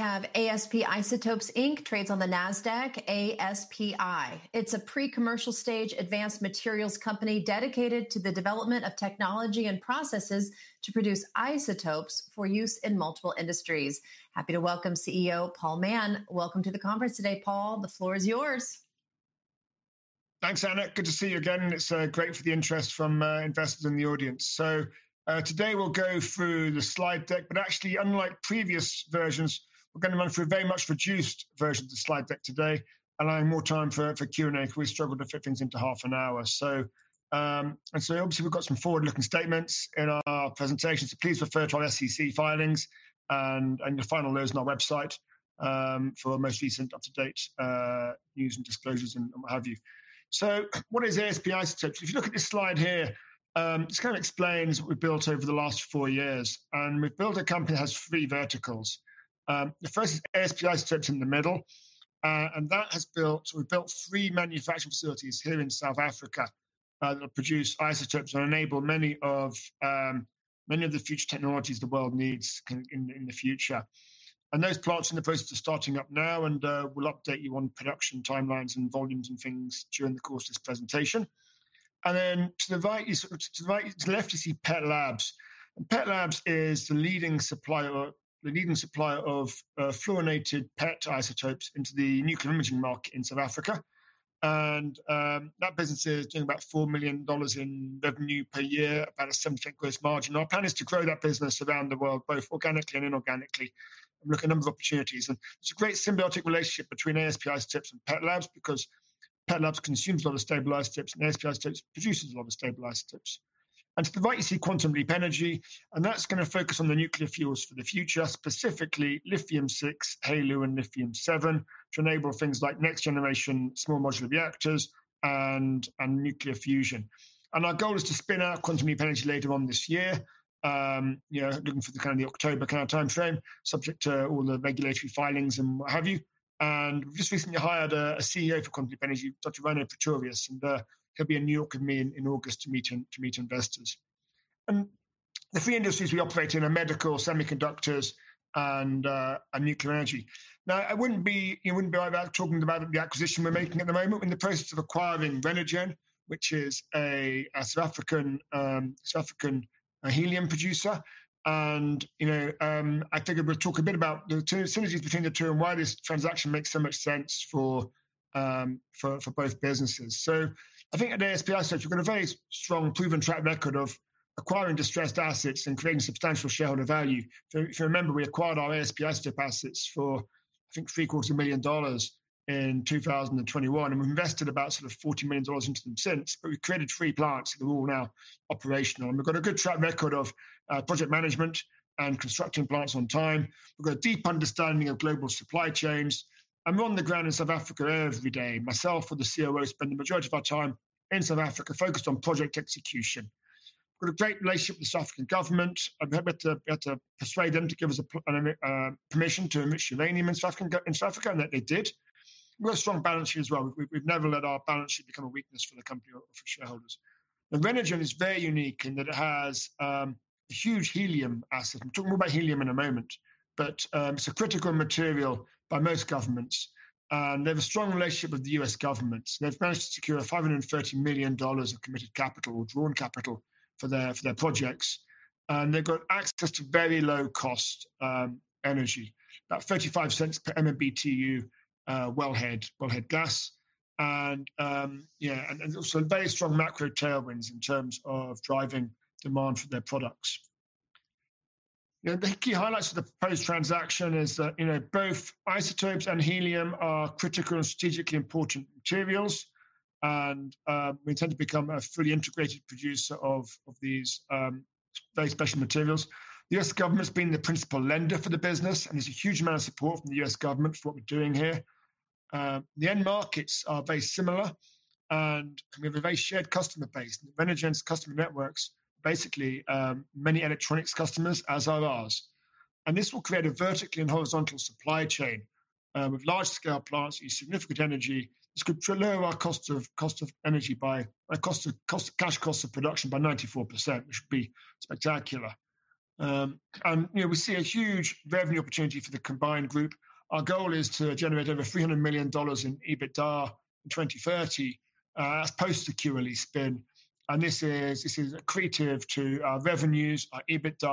ASP Isotopes Inc. trades on the NASDAQ ASPI. It's a pre-commercial stage advanced materials company dedicated to the development of technology and processes to produce isotopes for use in multiple industries. Happy to welcome CEO Paul Mann. Welcome to the conference today, Paul. The floor is yours. Thanks, Anna. Good to see you again. It's great for the interest from investors in the audience. Today we'll go through the slide deck, but actually, unlike previous versions, we're going to run through a very much reduced version of the slide deck today, allowing more time for Q&A because we struggled to fit things into half an hour. Obviously we've got some forward-looking statements in our presentation, so please refer to our SEC filings and your final notes on our website for most recent up-to-date news and disclosures and what have you. What is ASP Isotopes? If you look at this slide here, this kind of explains what we've built over the last four years. We've built a company that has three verticals. The first is ASP Isotopes in the middle, and that has built three manufacturing facilities here in South Africa that will produce isotopes and enable many of the future technologies the world needs in the future. Those plants are in the process of starting up now, and we'll update you on production timelines and volumes and things during the course of this presentation. To the left, you see PET Labs. PET Labs is the leading supplier of fluorinated PET isotopes into the nuclear imaging market in South Africa. That business is doing about $4 million in revenue per year, about a seven-figure gross margin. Our plan is to grow that business around the world, both organically and inorganically, and look at a number of opportunities. It's a great symbiotic relationship between ASP Isotopes and PET Labs because PET Labs consumes a lot of stabilized tips, and ASP Isotopes produces a lot of stabilized tips. To the right, you see Quantum Leap Energy, and that's going to focus on the nuclear fuels for the future, specifically lithium-6, helium, and lithium-7, to enable things like next-generation small modular reactors and nuclear fusion. Our goal is to spin out Quantum Leap Energy later on this year, looking for the October kind of timeframe, subject to all the regulatory filings and what have you. We've just recently hired a CEO for Quantum Leap Energy, Dr. Ryno Pretorius, who'll be in New York with me in August to meet investors. The three industries we operate in are medical, semiconductors, and nuclear energy. Now, I wouldn't be, you wouldn't be right without talking about the acquisition we're making at the moment. We're in the process of acquiring Renergen, which is a South African helium producer. I figured we'd talk a bit about the synergies between the two and why this transaction makes so much sense for both businesses. I think at ASP Isotopes, we've got a very strong proven track record of acquiring distressed assets and creating substantial shareholder value. If you remember, we acquired our ASP Isotopes assets for, I think, $0.75 million in 2021, and we've invested about $40 million into them since. We've created three plants, and they're all now operational. We've got a good track record of project management and constructing plants on time. We've got a deep understanding of global supply chains. We're on the ground in South Africa every day. Myself or the COO spend the majority of our time in South Africa focused on project execution. We've got a great relationship with the South African government. I'm happy to persuade them to give us permission to emit uranium in South Africa, and that they did. We've got a strong balance sheet as well. We've never let our balance sheet become a weakness for the company or for shareholders. Renergen is very unique in that it has a huge helium asset. I'll talk more about helium in a moment, but it's a critical material by most governments. They have a strong relationship with the U.S. government. They've managed to secure $530 million of committed capital or drawn capital for their projects. They've got access to very low-cost energy, about $0.35 per MBTU well-head gas. There are also very strong macro tailwinds in terms of driving demand for their products. The key highlights of the proposed transaction are that both isotopes and helium are critical and strategically important materials. We intend to become a fully integrated producer of these very special materials. The U.S. government has been the principal lender for the business, and there's a huge amount of support from the U.S. government for what we're doing here. The end markets are very similar, and we have a very shared customer base. Renergen's customer network is basically many electronics customers, as are ours. This will create a vertical and horizontal supply chain with large-scale plants using significant energy. This could lower our cost of energy by the cost of cash cost of production by 94%, which would be spectacular. You know, we see a huge revenue opportunity for the combined group. Our goal is to generate over $300 million in EBITDA in 2030 as post-security spin. This is accretive to our revenues, our EBITDA,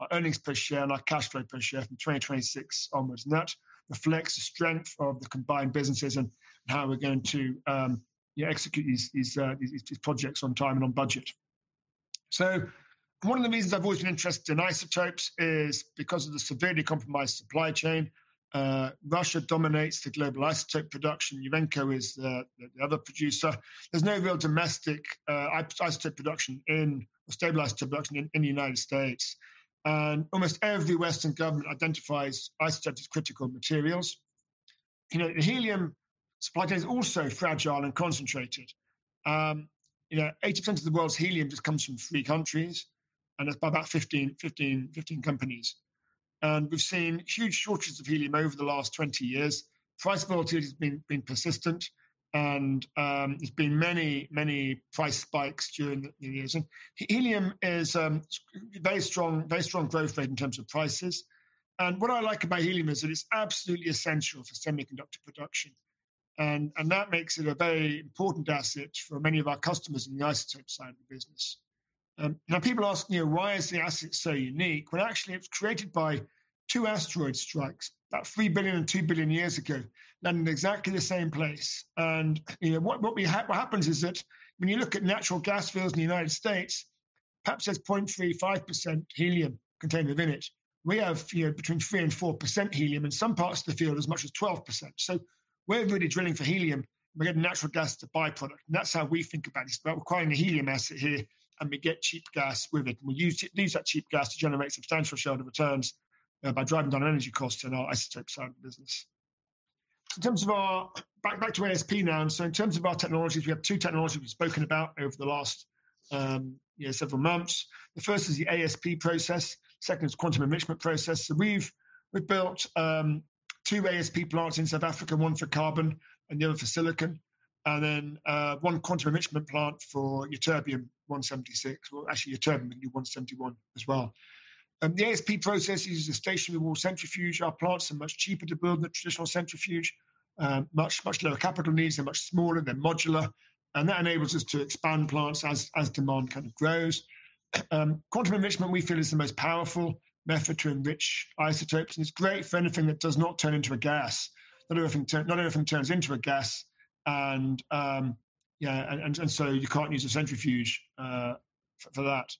our earnings per share, and our cash flow per share from 2026 onwards. That reflects the strength of the combined businesses and how we're going to execute these projects on time and on budget. One of the reasons I've always been interested in isotopes is because of the severely compromised supply chain. Russia dominates the global isotope production. Ivanko is the other producer. There's no real domestic isotope production in, or stable isotope production in the United States. Almost every Western government identifies isotopes as critical materials. The helium supply chain is also fragile and concentrated. 80% of the world's helium just comes from three countries, and that's by about 15 companies. We've seen huge shortages of helium over the last 20 years. Price volatility has been persistent, and there have been many, many price spikes during the years. Helium has a very strong, very strong growth rate in terms of prices. What I like about helium is that it's absolutely essential for semiconductor production. That makes it a very important asset for many of our customers in the isotope side of the business. People ask, you know, why is the asset so unique? Actually, it was created by two asteroid strikes about 3 billion and 2 billion years ago, landing exactly in the same place. What happens is that when you look at natural gas fields in the United States, perhaps there's 0.35% helium contained within it. We have between 3% and 4% helium in some parts of the field, as much as 12%. We're really drilling for helium. We're getting natural gas as a byproduct. That's how we think about it. It's about acquiring a helium asset here, and we get cheap gas with it. We use that cheap gas to generate substantial shareholder returns by driving down energy costs in our isotope side of the business. In terms of our, back to ASP now. In terms of our technologies, we have two technologies we've spoken about over the last several months. The first is the ASP process. The second is the quantum enrichment process. We've built two ASP plants in South Africa, one for carbon and the other for silicon, and then one quantum enrichment plant for your ytterbium-176. Actually, ytterbium-171 as well. The ASP process uses a stationary wall centrifuge. Our plants are much cheaper to build than a traditional centrifuge, with much, much lower capital needs. They're much smaller and modular, which enables us to expand plants as demand grows. Quantum enrichment, we feel, is the most powerful method to enrich isotopes, and it's great for anything that does not turn into a gas. Not everything turns into a gas, so you can't use a centrifuge for that.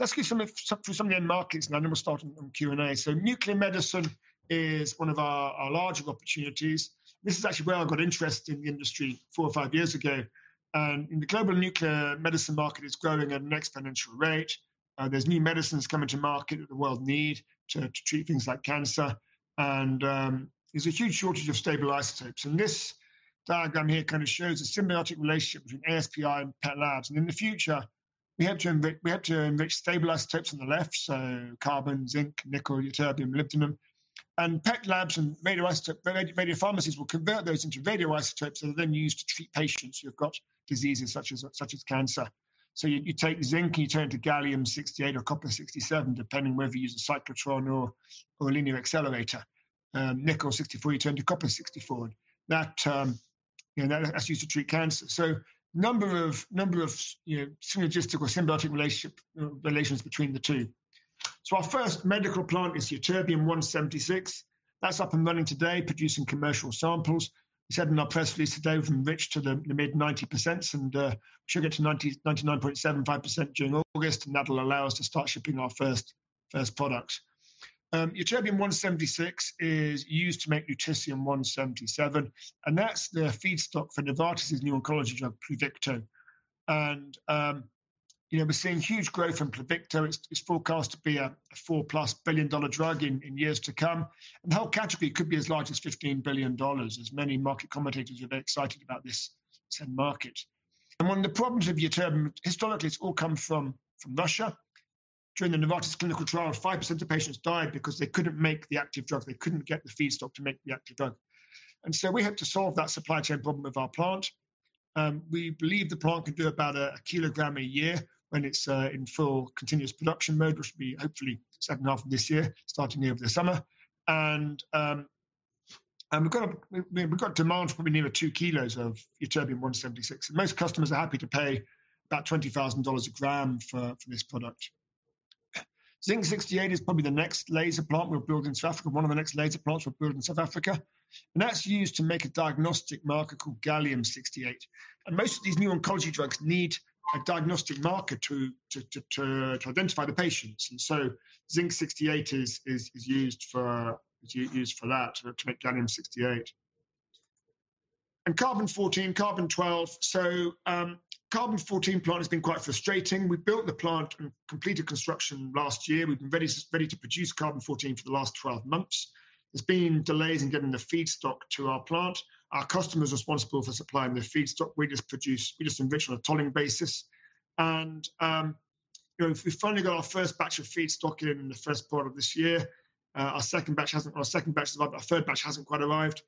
Let's go through some of the end markets, and then we'll start on Q&A. Nuclear medicine is one of our larger opportunities. This is actually where I got interested in the industry four or five years ago. In the global nuclear medicine market, it's growing at an exponential rate. There are new medicines coming to market that the world needs to treat things like cancer, and there's a huge shortage of stable isotopes. This diagram here shows the symbiotic relationship between ASPI and PET Labs. In the future, we have to enrich stable isotopes on the left, so carbon, zinc, nickel, ytterbium, lithium. PET Labs and radiopharmacies will convert those into radioisotopes that are then used to treat patients who have diseases such as cancer. You take zinc and turn it to gallium-68 or copper-67, depending whether you use a cyclotron or a linear accelerator. Nickel-64, you turn it to copper-64, and that's used to treat cancer. There are a number of synergistic or symbiotic relations between the two. Our first medical plant is ytterbium-176. That's up and running today, producing commercial samples. We said in our press release today, we've enriched to the mid-90% and should get to 99.75% during August. That'll allow us to start shipping our first products. Ytterbium-176 is used to make lutetium-177, and that's the feedstock for Novartis' new oncology drug, Pluvicto. We're seeing huge growth on Pluvicto. It's forecast to be a $4+ billion drug in years to come, and the whole category could be as large as $15 billion, as many market commentators are very excited about this market. One of the problems with ytterbium, historically, is it's all come from Russia. During the Novartis clinical trial, 5% of patients died because they couldn't make the active drug. They couldn't get the feedstock to make the active drug. We hope to solve that supply chain problem with our plant. We believe the plant could do about a kilogram a year when it's in full continuous production mode, which will be hopefully second half of this year, starting over the summer. We've got a demand for probably nearer two kilos of ytterbium-176. Most customers are happy to pay about $20,000 a gram for this product. Zinc-68 is probably the next laser plant we'll build in South Africa, one of the next laser plants we'll build in South Africa. That's used to make a diagnostic marker called gallium-68. Most of these new oncology drugs need a diagnostic marker to identify the patients. Zinc-68 is used for that, to make gallium-68. Carbon-14, carbon-12. The carbon-14 plant has been quite frustrating. We built the plant and completed construction last year. We've been ready to produce carbon-14 for the last 12 months. There's been delays in getting the feedstock to our plant. Our customer's responsible for supplying the feedstock. We just produce, we just enrich on a tolling basis. We finally got our first batch of feedstock in the first part of this year. Our second batch hasn't, our third batch hasn't quite arrived.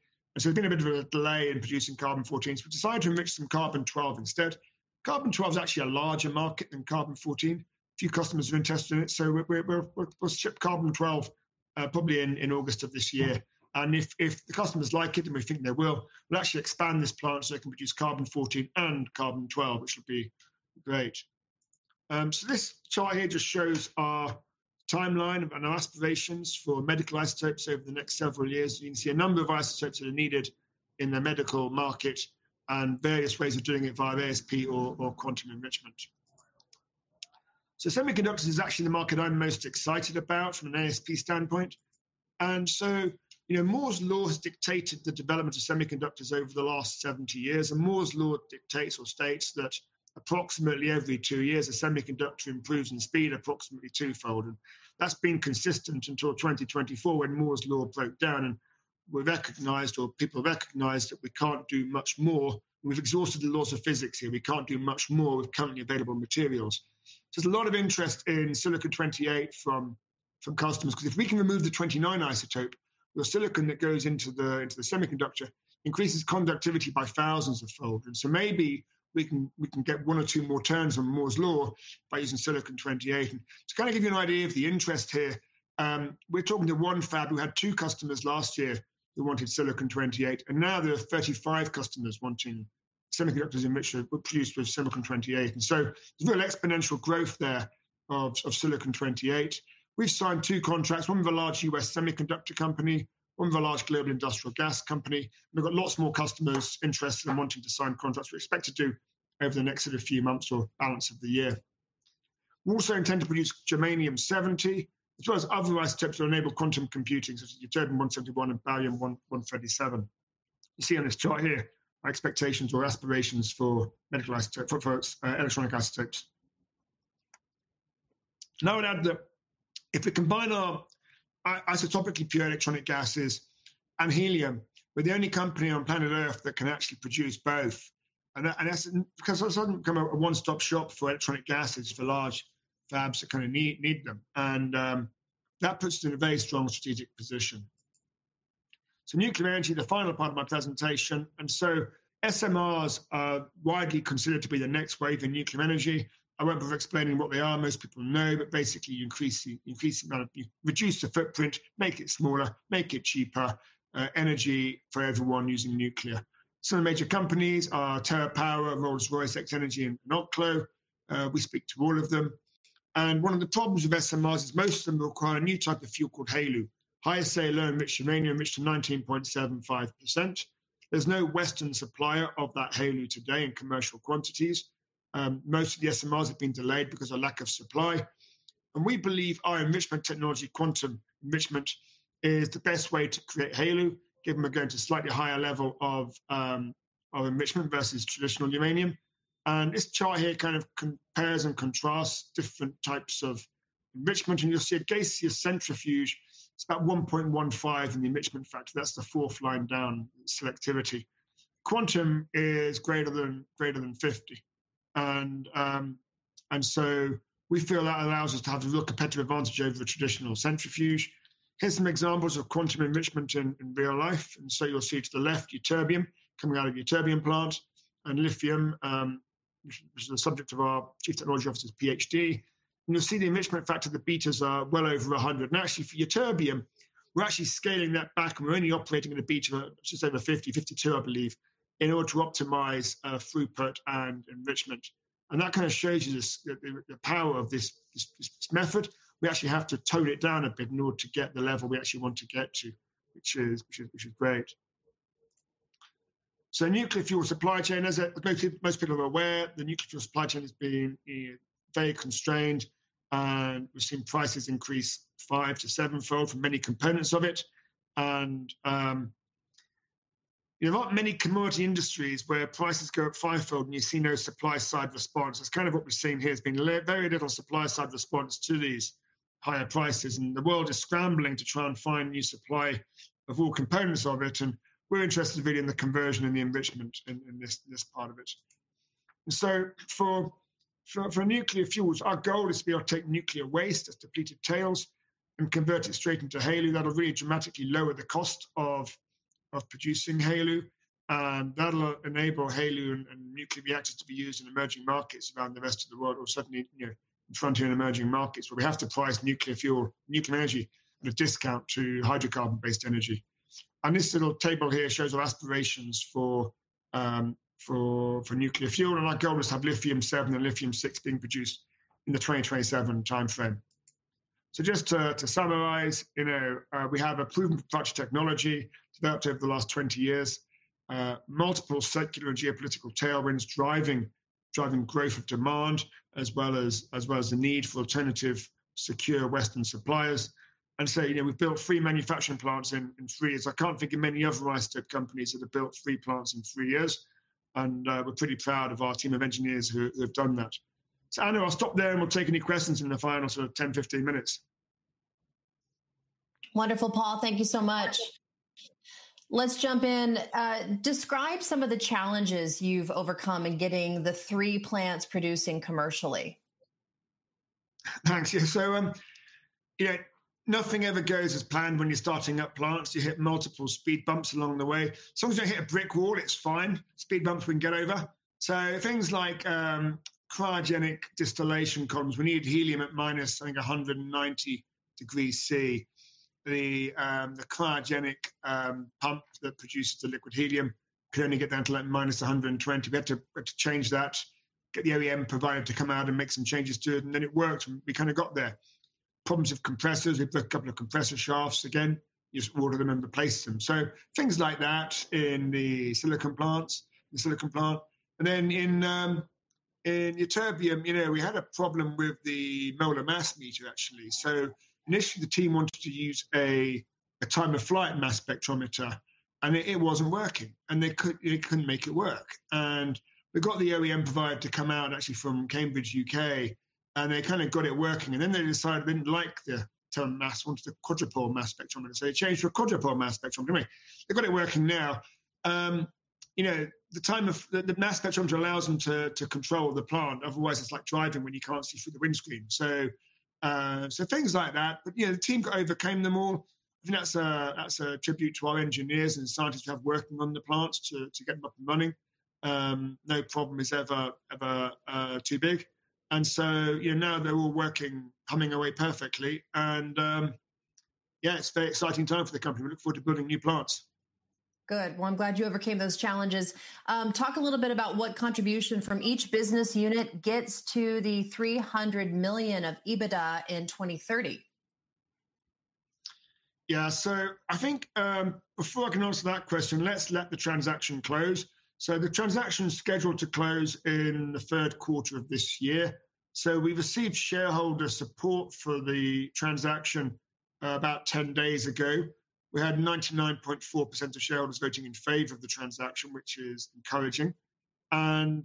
We've been a bit of a delay in producing carbon-14. We decided to enrich some carbon-12 instead. Carbon-12 is actually a larger market than carbon-14. Few customers are interested in it. We'll ship carbon-12 probably in August of this year. If the customers like it, and we think they will, we'll actually expand this plant so it can produce carbon-14 and carbon-12, which would be great. This chart here just shows our timeline and our aspirations for medical isotopes over the next several years. You can see a number of isotopes that are needed in the medical market and various ways of doing it via ASP or quantum enrichment. Semiconductors is actually the market I'm most excited about from an ASP standpoint. Moore's Law has dictated the development of semiconductors over the last 70 years. Moore's Law dictates or states that approximately every two years, a semiconductor improves in speed approximately twofold. That's been consistent until 2024 when Moore's Law broke down and we recognized, or people recognized, that we can't do much more. We've exhausted the laws of physics here. We can't do much more with currently available materials. There's a lot of interest in silicon-28 from customers because if we can remove the 29 isotope, the silicon that goes into the semiconductor increases conductivity by thousands of fold. Maybe we can get one or two more turns on Moore's Law by using silicon-28. To kind of give you an idea of the interest here, we're talking to one fab who had two customers last year who wanted silicon-28. Now there are 35 customers wanting semiconductors enriched or produced with silicon-28. There's been an exponential growth there of silicon-28. We've signed two contracts, one with a large U.S. semiconductor company, one with a large global industrial gas company. We've got lots more customers interested in wanting to sign contracts we expect to do over the next sort of few months or balance of the year. We also intend to produce germanium-70, as well as other isotopes that enable quantum computing, such as ytterbium-171 and barium-137. You see on this chart here our expectations or aspirations for medical isotopes, electronic isotopes. I would add that if we combine our isotopically pure electronic gases and helium, we're the only company on planet Earth that can actually produce both. It's also become a one-stop shop for electronic gases for large labs that kind of need them. That puts us in a very strong strategic position. Nuclear energy, the final part of my presentation. SMRs are widely considered to be the next wave in nuclear energy. I won't be explaining what they are. Most people know, but basically you increase the amount of, you reduce the footprint, make it smaller, make it cheaper energy for everyone using nuclear. Some of the major companies are TerraPower, Rolls-Royce, X Energy, and OCLO. We speak to all of them. One of the problems with SMRs is most of them require a new type of fuel called helium. ISA alone enriched uranium enriched to 19.75%. There's no Western supplier of that helium today in commercial quantities. Most of the SMRs have been delayed because of a lack of supply. We believe our enrichment technology, quantum enrichment, is the best way to create helium, given we're going to a slightly higher level of enrichment versus traditional uranium. This chart here kind of compares and contrasts different types of enrichment. You'll see a gaseous centrifuge. It's about 1.15 in the enrichment factor. That's the fourth line down in selectivity. Quantum is greater than 50, and we feel that allows us to have a real competitive advantage over the traditional centrifuge. Here are some examples of quantum enrichment in real life. You'll see to the left, ytterbium coming out of the ytterbium plant and lithium, which is the subject of our Chief Technology Officer's PhD. You'll see the enrichment factor, the betas are well over 100. Actually, for ytterbium, we're scaling that back, and we're only operating at a beta of just over 50, 52, I believe, in order to optimize throughput and enrichment. That kind of shows you the power of this method. We actually have to tone it down a bit in order to get the level we want to get to, which is great. Nuclear fuel supply chain, as most people are aware, the nuclear fuel supply chain has been very constrained, and we've seen prices increase five to sevenfold for many components of it. There are not many commodity industries where prices go up fivefold and you see no supply-side response. That's what we're seeing here. There's been very little supply-side response to these higher prices, and the world is scrambling to try and find new supply of all components of it. We're interested really in the conversion and the enrichment in this part of it. For a nuclear fuel, our goal is to be able to take nuclear waste as depleted tails and convert it straight into helium. That'll really dramatically lower the cost of producing helium. That'll enable helium and nuclear reactors to be used in emerging markets around the rest of the world or suddenly, you know, frontier and emerging markets where we have to price nuclear fuel, nuclear energy at a discount to hydrocarbon-based energy. This little table here shows our aspirations for nuclear fuel. Our goal is to have lithium-7 and lithium-6 being produced in the 2027 timeframe. Just to summarize, we have a proven approach to technology developed over the last 20 years, multiple sectoral and geopolitical tailwinds driving growth of demand, as well as the need for alternative, secure Western suppliers. We built three manufacturing plants in three years. I can't think of many other isotope companies that have built three plants in three years, and we're pretty proud of our team of engineers who have done that. Ana, I'll stop there, and we'll take any questions in the final sort of 10, 15 minutes. Wonderful, Paul. Thank you so much. Let's jump in. Describe some of the challenges you've overcome in getting the three plants producing commercially. Thanks. Yeah. You know, nothing ever goes as planned when you're starting up plants. You hit multiple speed bumps along the way. As long as you don't hit a brick wall, it's fine. Speed bumps we can get over. Things like cryogenic distillation columns. We need helium at minus, I think, 190 degrees C. The cryogenic pump that produces the liquid helium can only get down to like minus 120. We had to change that, get the OEM provider to come out and make some changes to it. Then it worked, and we kind of got there. Problems with compressors. We put a couple of compressor shafts again. You just order them and replace them. Things like that in the silicon plants, the silicon plant. In ytterbium, you know, we had a problem with the molar mass meter, actually. Initially, the team wanted to use a time-of-flight mass spectrometer, and it wasn't working. They couldn't make it work. We got the OEM provider to come out, actually, from Cambridge, UK, and they kind of got it working. They decided they didn't like the term mass, wanted a quadrupole mass spectrometer. They changed to a quadrupole mass spectrometer. Anyway, they got it working now. The time of the mass spectrometer allows them to control the plant. Otherwise, it's like driving when you can't see through the windscreen. Things like that. The team overcame them all. That's a tribute to our engineers and scientists who are working on the plants to get them up and running. No problem is ever, ever too big. Now they're all working, humming away perfectly. It's a very exciting time for the company. We look forward to building new plants. Good. I'm glad you overcame those challenges. Talk a little bit about what contribution from each business unit gets to the $300 million of EBITDA in 2030. Yeah. I think before I can answer that question, let's let the transaction close. The transaction is scheduled to close in the third quarter of this year. We received shareholder support for the transaction about 10 days ago. We had 99.4% of shareholders voting in favor of the transaction, which is encouraging. From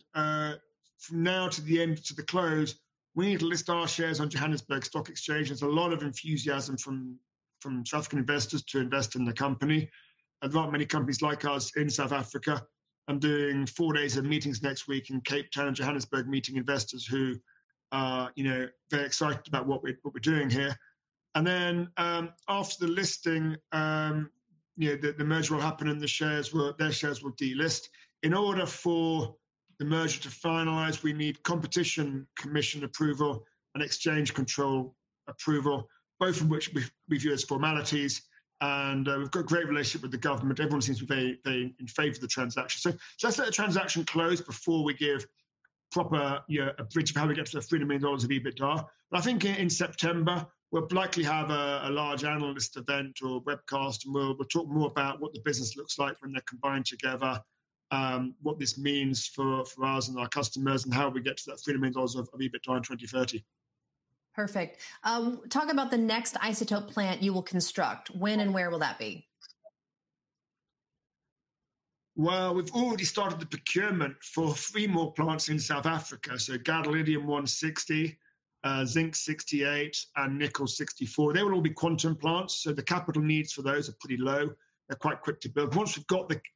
now to the close, we need to list our shares on the Johannesburg Stock Exchange. There's a lot of enthusiasm from South African investors to invest in the company. There aren't many companies like us in South Africa. I'm doing four days of meetings next week in Cape Town, Johannesburg, meeting investors who are very excited about what we're doing here. After the listing, the merger will happen, and their shares will delist. In order for the merger to finalize, we need competition commission approval and exchange control approval, both of which we view as formalities. We've got a great relationship with the government. Everyone seems to be very in favor of the transaction. Let's let the transaction close before we give a proper bridge of how we get to $3 million of EBITDA. I think in September, we'll likely have a large analyst event or webcast, and we'll talk more about what the business looks like when they're combined together, what this means for us and our customers, and how we get to that $3 million of EBITDA in 2030. Perfect. Talk about the next isotope plant you will construct. When and where will that be? We've already started the procurement for three more plants in South Africa. Gadolinium-160, zinc-68, and nickel-64, they will all be quantum plants. The capital needs for those are pretty low. They're quite quick to build. Once we've got the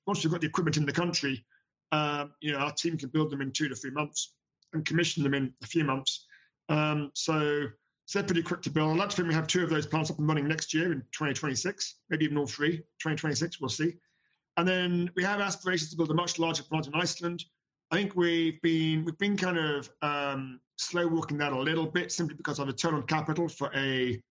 equipment in the country, our team can build them in two to three months and commission them in a few months. They're pretty quick to build. I'm not sure we have two of those plants up and running next year in 2026, maybe even all three in 2026. We'll see. We have aspirations to build a much larger plant in Iceland. I think we've been kind of slow-walking that a little bit simply because our return on capital for a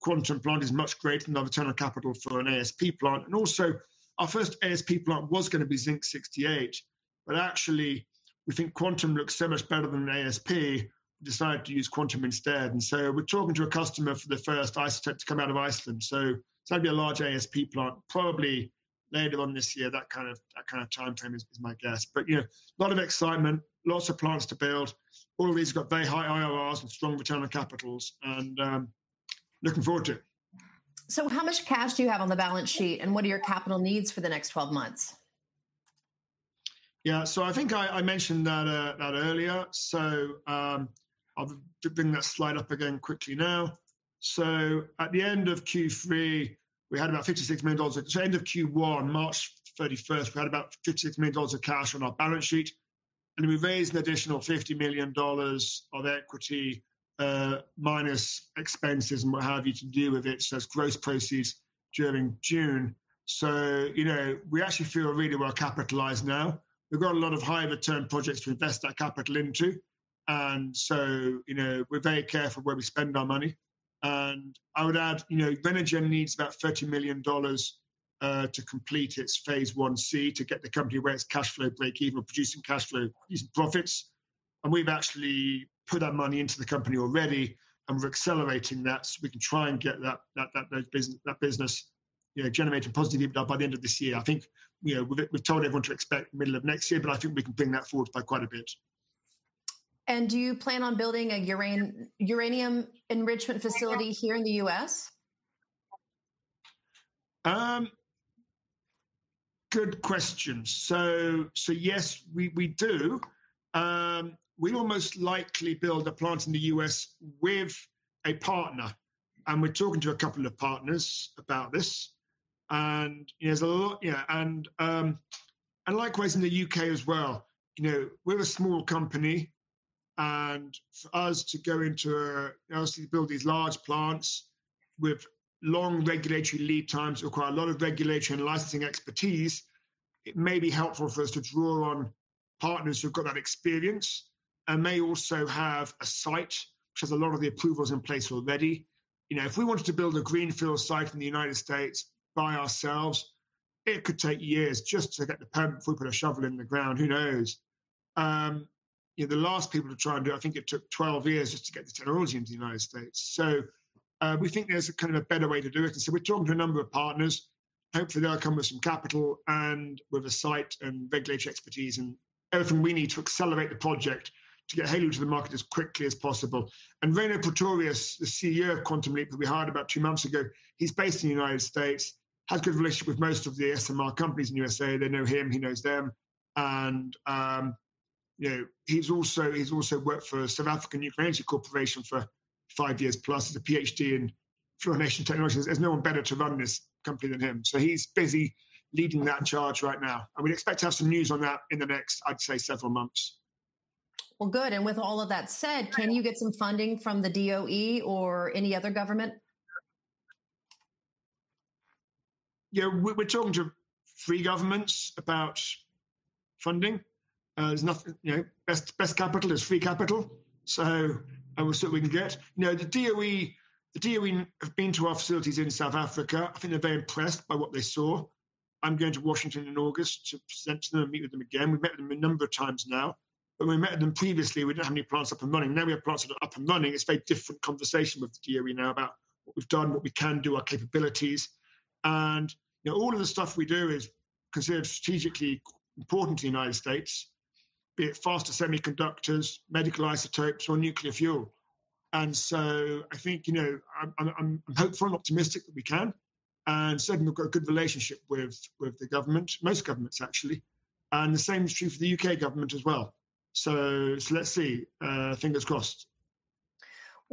quantum plant is much greater than our return on capital for an ASP plant. Also, our first ASP plant was going to be zinc-68. Actually, we think quantum looks so much better than ASP, we decided to use quantum instead. We're talking to a customer for the first isotope to come out of Iceland. It's going to be a large ASP plant, probably later on this year. That kind of timeframe is my guess. A lot of excitement, lots of plants to build. All of these have got very high IRRs and strong return on capitals. I'm looking forward to it. How much cash do you have on the balance sheet? What are your capital needs for the next 12 months? Yeah. I think I mentioned that earlier. I'll bring that slide up again quickly now. At the end of Q3, we had about $56 million of cash. At the end of Q1, March 31, we had about $56 million of cash on our balance sheet. We raised an additional $50 million of equity minus expenses and what have you to deal with it as gross proceeds during June. We actually feel really well capitalized now. We've got a lot of high-return projects to invest that capital into. We're very careful where we spend our money. I would add, Renergen needs about $30 million to complete its phase 1C to get the company where its cash flow break-even or producing cash flow is profits. We've actually put our money into the company already, and we're accelerating that so we can try and get that business generating positive EBITDA by the end of this year. I think we've told everyone to expect the middle of next year, but I think we can bring that forward by quite a bit. Do you plan on building a uranium enrichment facility here in the U.S.? Good question. Yes, we do. We will most likely build a plant in the U.S. with a partner. We're talking to a couple of partners about this. Likewise, in the UK as well. We're a small company, and for us to go into, obviously, to build these large plants with long regulatory lead times that require a lot of regulatory and licensing expertise, it may be helpful for us to draw on partners who've got that experience and may also have a site which has a lot of the approvals in place already. If we wanted to build a greenfield site in the United States by ourselves, it could take years just to get the permit before we put a shovel in the ground. Who knows? The last people to try and do it, I think it took 12 years just to get the technology into the United States. We think there's a kind of a better way to do it. We're talking to a number of partners. Hopefully, they'll come with some capital and with a site and regulatory expertise and everything we need to accelerate the project to get helium to the market as quickly as possible. Ryno Pretorius, the CEO of Quantum Leap that we hired about two months ago, he's based in the United States, has a good relationship with most of the SMR companies in the U.S. They know him. He knows them. He's also worked for the South African Nuclear Energy Corporation for five years. Plus he's a PhD in fluorination technology. There's no one better to run this company than him. He's busy leading that charge right now. We'd expect to have some news on that in the next, I'd say, several months. Good. With all of that said, can you get some funding from the DOE or any other government? Yeah, we're talking to three governments about funding. There's nothing, you know, best capital is free capital. We'll see what we can get. You know, the DOE have been to our facilities in South Africa. I think they're very impressed by what they saw. I'm going to Washington in August to present to them and meet with them again. We've met with them a number of times now. When we met with them previously, we didn't have any plants up and running. Now we have plants up and running. It's a very different conversation with the DOE now about we've done what we can do, our capabilities. All of the stuff we do is considered strategically important to the United States, be it faster semiconductors, medical isotopes, or nuclear fuel. I think, you know, I'm hopeful and optimistic that we can. Certainly, we've got a good relationship with the government, most governments actually. The same is true for the UK government as well. Let's see. Fingers crossed.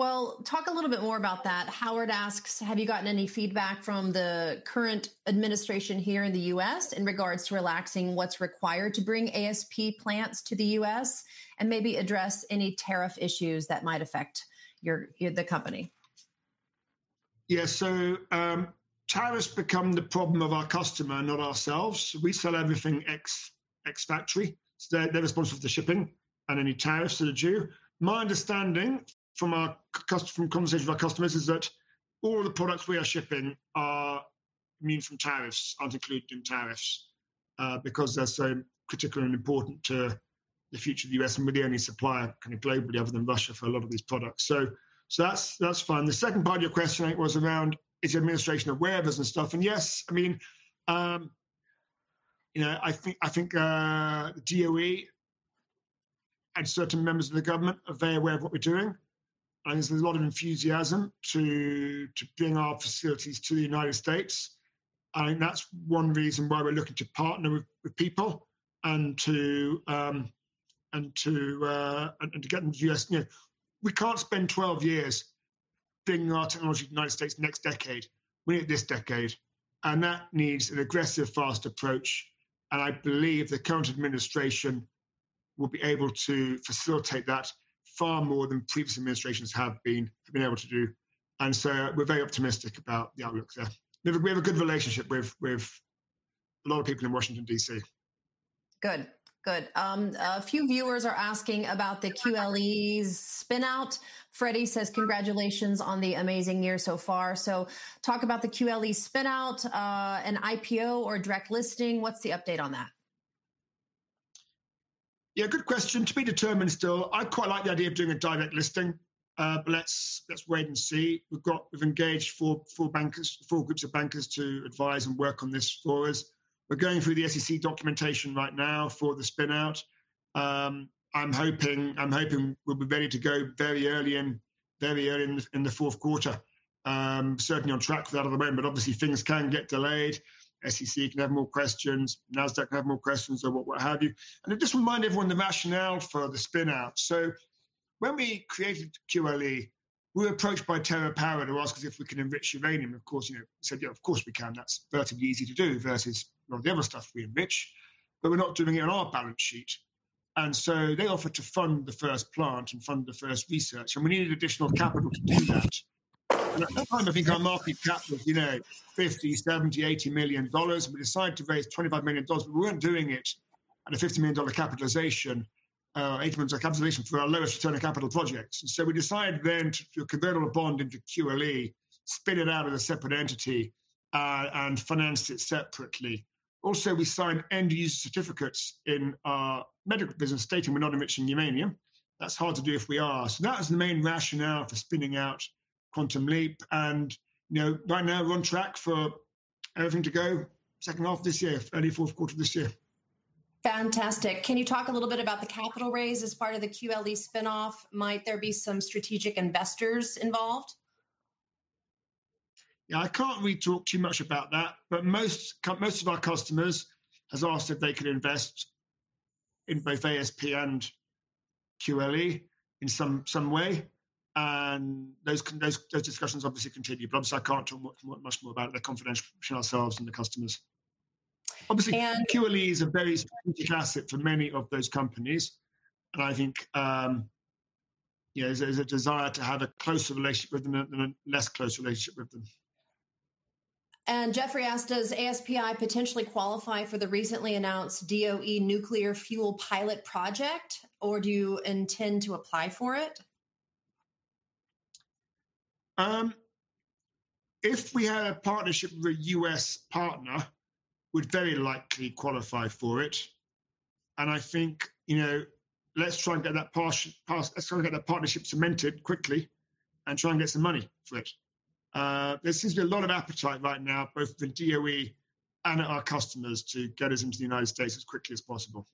Talk a little bit more about that. Howard asks, have you gotten any feedback from the current administration here in the U.S. in regards to relaxing what's required to bring ASP plants to the U.S. and maybe address any tariff issues that might affect the company? Yeah, so tariffs become the problem of our customer, not ourselves. We sell everything ex-factory. They're responsible for the shipping and any tariffs that are due. My understanding from our conversation with our customers is that all of the products we are shipping are means from tariffs, aren't included in tariffs because they're so critical and important to the future of the U.S. and we're the only supplier kind of globally other than Russia for a lot of these products. That's fine. The second part of your question was around, is the administration aware of us and stuff? Yes, I mean, you know, I think the DOE and certain members of the government are very aware of what we're doing. There's a lot of enthusiasm to bring our facilities to the United States. I think that's one reason why we're looking to partner with people and to get them to do this. You know, we can't spend 12 years bringing our technology to the United States next decade. We need it this decade. That needs an aggressive, fast approach. I believe the current administration will be able to facilitate that far more than previous administrations have been able to do. We're very optimistic about the outlook there. We have a good relationship with a lot of people in Washington, DC. Good. Good. A few viewers are asking about the QLE spin-out. Freddie says, congratulations on the amazing year so far. Talk about the QLE spin-out, an IPO or direct listing. What's the update on that? Yeah, good question. To be determined still. I quite like the idea of doing a direct listing, but let's wait and see. We've engaged four groups of bankers to advise and work on this for us. We're going through the SEC documentation right now for the spin-out. I'm hoping we'll be ready to go very early in the fourth quarter. Certainly on track for that either way, but obviously, things can get delayed. The SEC can have more questions. NASDAQ can have more questions or what have you. I just remind everyone the rationale for the spin-out. When we created QLE, we were approached by TerraPower to ask us if we can enrich uranium. Of course, you know, we said, yeah, of course we can. That's relatively easy to do versus a lot of the other stuff we enrich. We're not doing it on our balance sheet. They offered to fund the first plant and fund the first research. We needed additional capital to do that. At that time, I think our market cap was, you know, $50 million, $70 million, $80 million. We decided to raise $25 million. We weren't doing it at a $50 million capitalization, or $80 million capitalization for our lowest return on capital projects. We decided then to convert all the bond into QLE, spin it out as a separate entity, and finance it separately. Also, we signed end-use certificates in our medical business, stating we're not enriching uranium. That's hard to do if we are. That was the main rationale for spinning out Quantum Leap. Right now we're on track for everything to go second half of this year, early fourth quarter of this year. Fantastic. Can you talk a little bit about the capital raise as part of the QLE spin-off? Might there be some strategic investors involved? Yeah, I can't really talk too much about that. Most of our customers have asked if they could invest in both ASP and QLE in some way. Those discussions obviously continue. I can't talk much more about it. They're confidential between ourselves and the customers. QLE is a very strategic asset for many of those companies. I think, you know, there's a desire to have a closer relationship with them and a less close relationship with them. Jeffrey asks, does ASPI potentially qualify for the recently announced U.S. Department of Energy nuclear fuel pilot project, or do you intend to apply for it? If we have a partnership with a U.S. partner, we'd very likely qualify for it. I think, you know, let's try and get that partnership cemented quickly and try and get some money for it. There seems to be a lot of appetite right now, both at the U.S. Department of Energy and at our customers, to get us into the United States as quickly as possible.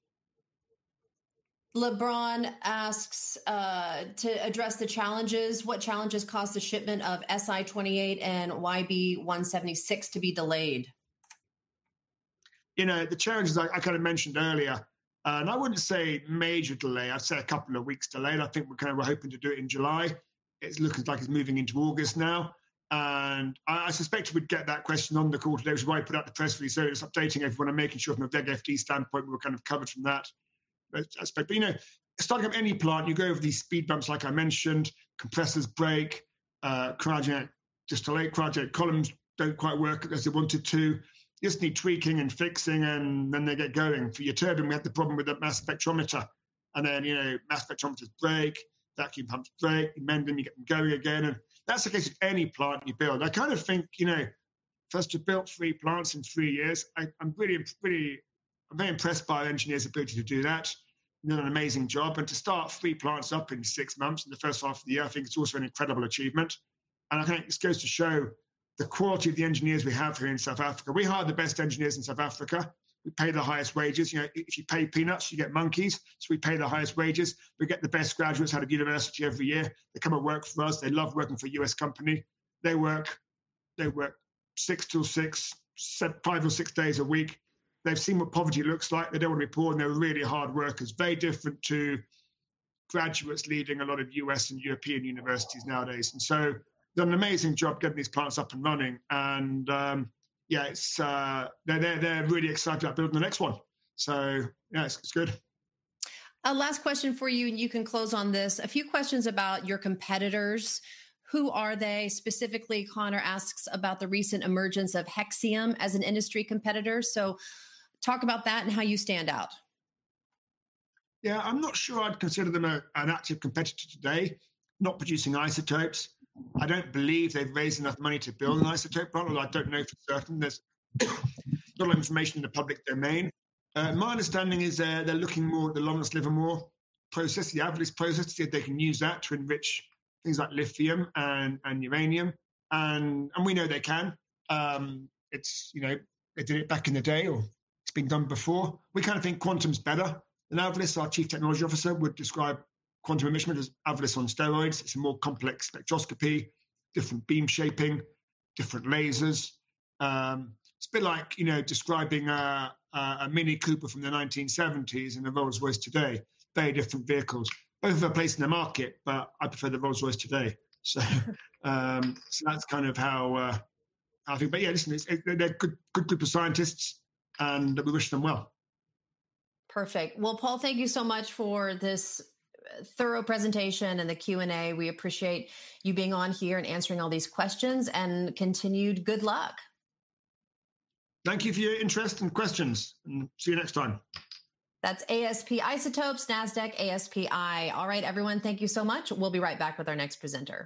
LeBron asks, to address the challenges, what challenges caused the shipment of silicon-28 and ytterbium-176 to be delayed? You know, the challenges I kind of mentioned earlier, and I wouldn't say major delay. I'd say a couple of weeks delayed. I think we're kind of hoping to do it in July. It looks like it's moving into August now. I suspect you would get that question on the call today, which is why I put out the press release. It's updating everyone and making sure from a B.E.D. F.D. standpoint, we were kind of covered from that aspect. You know, starting up any plant, you go over these speed bumps, like I mentioned, compressors break, cryogenic distillate, cryogenic columns don't quite work unless they wanted to. You just need tweaking and fixing, and then they get going. For your turbine, we had the problem with a mass spectrometer. Mass spectrometers break, vacuum pumps break, you mend them, you get them going again. That's the case with any plant you build. I kind of think, you know, for us to build three plants in three years, I'm really, I'm very impressed by our engineers' ability to do that. They've done an amazing job. To start three plants up in six months in the first half of the year, I think it's also an incredible achievement. I think this goes to show the quality of the engineers we have here in South Africa. We hire the best engineers in South Africa. We pay the highest wages. You know, if you pay peanuts, you get monkeys. We pay the highest wages. We get the best graduates out of university every year. They come and work for us. They love working for a U.S. company. They work six to six, five or six days a week. They've seen what poverty looks like. They don't want to be poor, and they're really hard workers. Very different to graduates leading a lot of U.S. and European universities nowadays. They've done an amazing job getting these plants up and running. Yeah, they're really excited about building the next one. Yeah, it's good. A last question for you, and you can close on this. A few questions about your competitors. Who are they specifically? Connor asks about the recent emergence of Hexium as an industry competitor. Talk about that and how you stand out. Yeah, I'm not sure I'd consider them an active competitor today, not producing isotopes. I don't believe they've raised enough money to build an isotope plant, although I don't know for certain. There's a lot of information in the public domain. My understanding is they're looking more at the Lawrence Livermore process, the AVLIS process, to see if they can use that to enrich things like lithium and uranium. We know they can. It's, you know, they did it back in the day, or it's been done before. We kind of think quantum's better than AVLIS. Our Chief Technology Officer would describe quantum enrichment as AVLIS on steroids. It's a more complex spectroscopy, different beam shaping, different lasers. It's a bit like, you know, describing a Mini Cooper from the 1970s and a Rolls-Royce today. Very different vehicles. Both of them are placed in the market, but I prefer the Rolls-Royce today. That's kind of how I think. Yeah, listen, they're a good group of scientists, and we wish them well. Perfect. Paul, thank you so much for this thorough presentation and the Q&A. We appreciate you being on here and answering all these questions, and continued good luck. Thank you for your interest and questions, and see you next time. That's ASP Isotopes, NASDAQ: ASPI. All right, everyone, thank you so much. We'll be right back with our next presenter.